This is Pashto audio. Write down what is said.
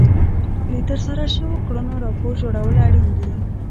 د ترسره شوو کړنو راپور جوړول اړین دي.